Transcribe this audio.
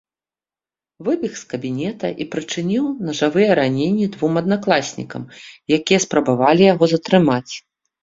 Выбег з кабінета і прычыніў нажавыя раненні двум аднакласнікам, якія спрабавалі яго затрымаць.